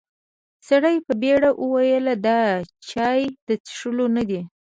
سړي په بيړه وويل: دا چای د څښلو نه دی.